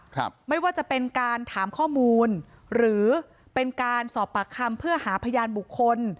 ครับไม่ว่าจะเป็นการถามข้อมูลหรือเป็นการสอบปากคำเพื่อหาพยานบุคคล